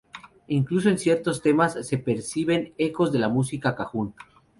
Incluso en ciertos temas se perciben ecos de la música cajún.